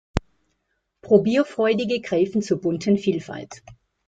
Probierfreudige greifen zur bunten Vielfalt.